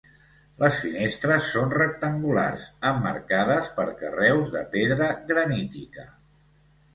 Les finestres són rectangulars, emmarcades per carreus de pedra granítica.